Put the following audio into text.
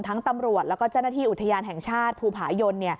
ตำรวจแล้วก็เจ้าหน้าที่อุทยานแห่งชาติภูผายน